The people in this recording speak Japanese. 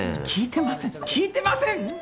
聞いてません聞いてません！？